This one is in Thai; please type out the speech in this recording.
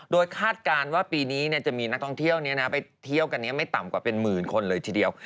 โดยคาดการณ์ว่ามีนักท่องเที่ยวไปเที่ยวกันที่จะไม่ต่ำกว่าเป็น๑๐๐๐๐คนเลยทีเดียว